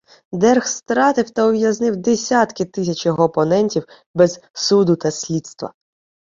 Дерг стратив та ув'язнив десятки тисяч його опонентів без суду та слідства.